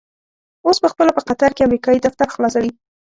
اوس په خپله په قطر کې امريکايي دفتر خلاصوي.